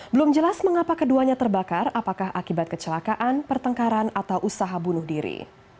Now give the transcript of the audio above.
belum jelas mengapa keduanya terbakar apakah akibat kecelakaan pertengkaran atau usaha bunuh diri